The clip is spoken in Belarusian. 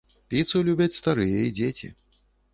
Піцу любяць старыя і дзеці.